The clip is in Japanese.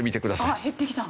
あっ減ってきた。